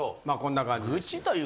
まあこんな感じです。